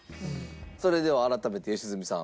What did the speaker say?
それでは改めて良純さん。